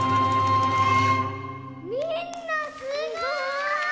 みんなすごい！